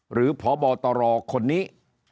หรือพบตรคนนี้